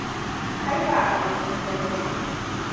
Kai ba kamar su ba ne.